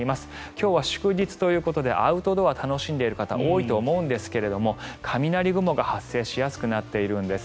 今日は祝日ということでアウトドアを楽しんでいる方多いと思うんですけれど雷雲が発生しやすくなっているんです。